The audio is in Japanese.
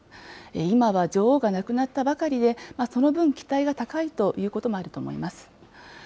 今は女王が亡くなったばかりで、その分、期待が高いということもあると思います。